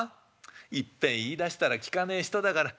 いっぺん言いだしたら聞かねえ人だから。